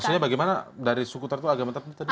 maksudnya bagaimana dari suku tertentu agama tertentu